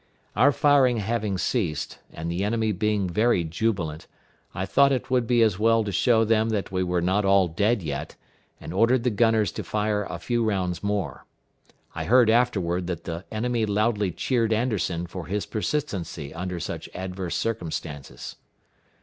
Our firing having ceased, and the enemy being very jubilant, I thought it would be as well to show them that we were not all dead yet, and ordered the gunners to fire a few rounds more. I heard afterward that the enemy loudly cheered Anderson for his persistency under such adverse circumstances.